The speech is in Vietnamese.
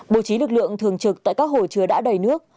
bố trí lực lượng thường trực tại các hồ chứa đã đầy nước